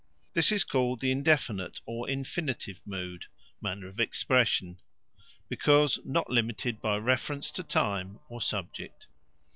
(This is called the INDEFINITE or INFINITIVE Mood (manner of expression), because not limited by reference to time or subject).